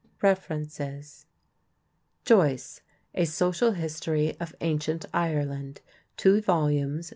REFERENCES: Joyce: A Social History of Ancient Ireland (2 vols.